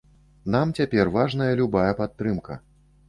Нам цяпер важная любая падтрымка.